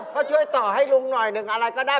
ก็ช่วยต่อให้ลุงหน่อยหนึ่งอะไรก็ได้